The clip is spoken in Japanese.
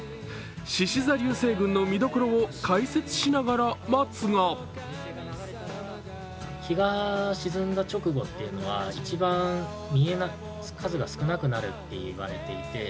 しし座流星群の見どころを解説しながら待つが日が沈んだ直後というのは一番数が少なくなると言われていて。